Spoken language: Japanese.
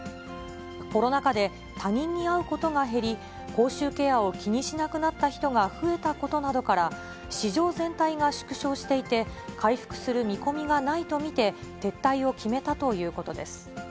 コロナ禍で、他人に会うことが減り、口臭ケアを気にしなくなった人が増えたことなどから、市場全体が縮小していて、回復する見込みがないと見て、撤退を決めたということです。